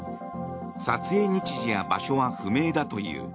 撮影日時や場所は不明だという。